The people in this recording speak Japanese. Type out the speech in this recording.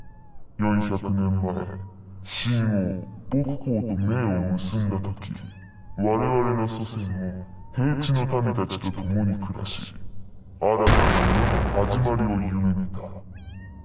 ４００年前秦王・穆公と盟を結んだ時我々の祖先も平地の民たちと共に暮らし新たな世の始まりを夢見た。